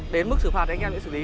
đến mức xử phạt anh em sẽ xử lý